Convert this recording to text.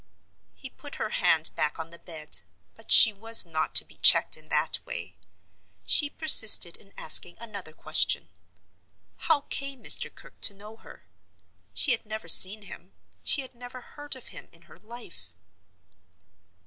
He put her hand back on the bed, but she was not to be checked in that way. She persisted in asking another question.—How came Mr. Kirke to know her? She had never seen him; she had never heard of him in her life.